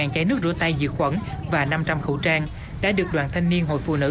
một chai nước rửa tay diệt khuẩn và năm trăm linh khẩu trang đã được đoàn thanh niên hội phụ nữ